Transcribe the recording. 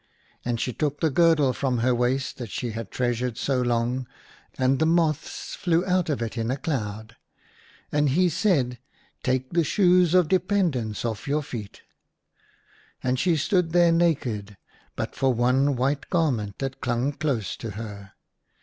And she took the girdle from her waist that she had treasured so long, and the moths flew out of it^in a cloud. And he said, " Take the shoes of dependence off your feet." And she stood there naked, but for one white garment that clung close to her.